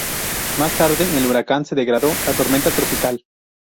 Más tarde el huracán se degradó a tormenta tropical.